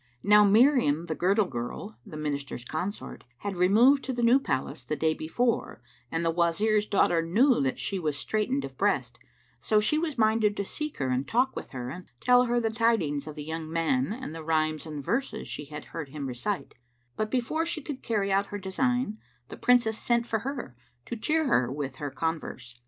Now Miriam the Girdle girl, the Minister's consort, had removed to the new palace the day before and the Wazir's daughter knew that she was straitened of breast; so she was minded to seek her and talk with her and tell her the tidings of the young man and the rhymes and verses she had heard him recite; but, before she could carry out her design the Princess sent for her to cheer her with her converse.